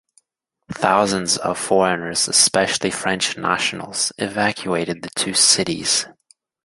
Thousands of foreigners, especially French nationals, evacuated the two cities.